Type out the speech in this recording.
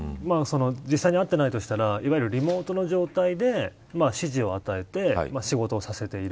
実際に会ってないとしたらリモートの状態で指示を与えて仕事をさせている。